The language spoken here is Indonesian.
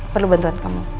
perlu bantuan kamu